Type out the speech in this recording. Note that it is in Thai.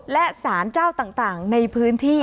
และสารเจ้าต่างในพื้นที่